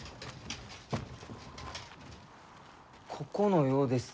ここのようです。